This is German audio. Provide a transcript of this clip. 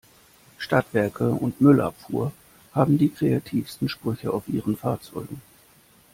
Stadtwerke und Müllabfuhr haben die kreativsten Sprüche auf ihren Fahrzeugen.